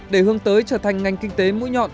để hướng tới trở thành ngành kinh tế mũi nhọn